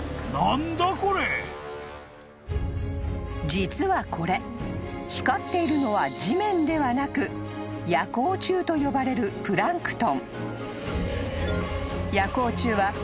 ［実はこれ光っているのは地面ではなく夜光虫と呼ばれるプランクトン］